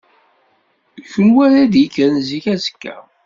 D kunwi ara d-yekkren zik azekka.